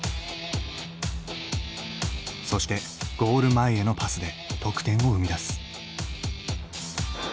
そしてゴール前へのパスで得点を生み出す。